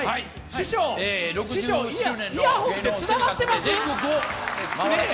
師匠、イヤホンってつながってます？